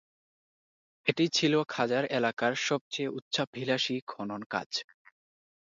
এটি ছিল খাজার এলাকার সবচেয়ে উচ্চাভিলাষী খনন কাজ।